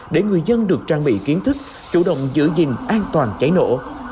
để người dân được trang bị kiến thức chủ động giữ gìn an toàn cháy nổ